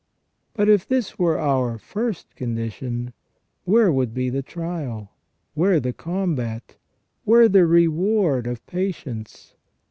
But if this were our first condition, where would be the trial ? Where the combat ? Where the reward of patience